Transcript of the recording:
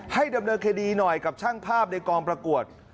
ให้ดำเนินคดีหน่อยกับช่างภาพในกองประกวด